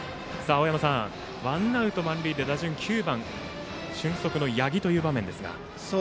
青山さん、ワンアウト満塁で打順９番俊足の八木という場面ですが。